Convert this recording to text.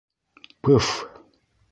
— Пы-фф!